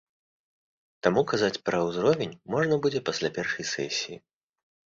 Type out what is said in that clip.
Таму казаць пра ўзровень можна будзе пасля першай сесіі.